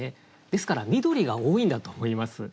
ですから緑が多いんだと思います。